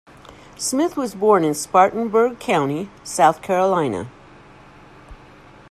Smith was born in Spartanburg County, South Carolina.